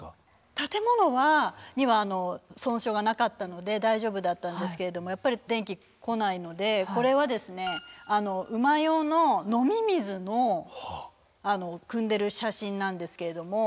建物には損傷がなかったので大丈夫だったんですけれどもやっぱり電気来ないのでこれはですね馬用の飲み水のくんでる写真なんですけれども。